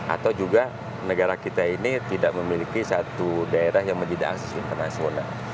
atau juga negara kita ini tidak memiliki satu daerah yang menjadi akses internasional